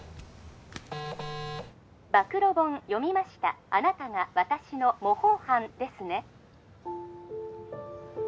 ☎暴露本読みましたあなたが私の模倣犯ですね？